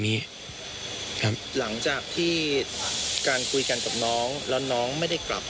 ครับหลังจากที่การคุยกันกับน้องแล้วน้องไม่ได้กลับ